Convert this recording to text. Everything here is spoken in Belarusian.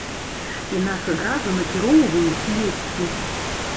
І нас адразу накіроўваюць есці.